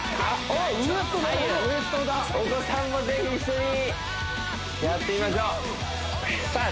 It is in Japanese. お子さんもぜひ一緒にやってみましょうさあ